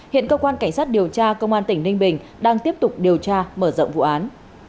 hiện cơ quan cảnh sát điều tra công an tỉnh ninh bình đang tiếp tục điều tra mở rộng vụ án